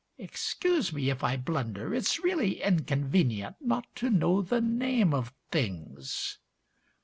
Excuse me if I blunder, It's really inconvenient not to know the name of things!